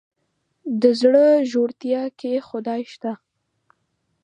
د زړه ژورتيا کې خدای شته.